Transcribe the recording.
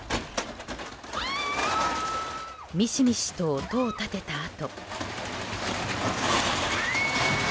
ミシミシと音を立てたあと。